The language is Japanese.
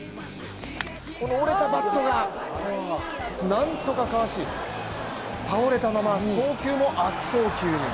折れたバットがなんとか交わし倒れたまま送球も悪送球に。